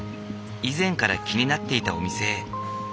以前から気になっていたお店へ。